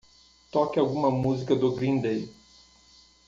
Toque alguma música do Green Day.